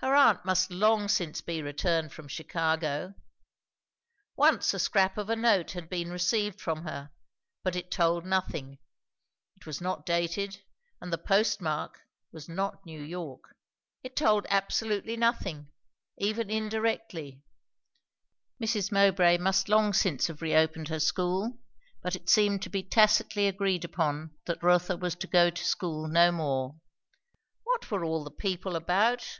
Her aunt must long since be returned from Chicago. Once a scrap of a note had been received from her, but it told nothing. It was not dated, and the postmark was not New York. It told absolutely nothing, even indirectly. Airs. Mowbray must long since have reopened her school, but it seemed to be tacitly agreed upon that Rotha was to go to school no more. What were all the people about?